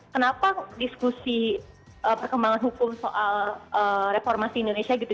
kenapa diskusi perkembangan hukum soal reformasi indonesia gitu